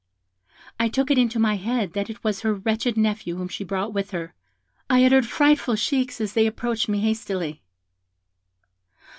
I took it into my head that it was her wretched nephew whom she brought with her; I uttered frightful shrieks as they approached me hastily.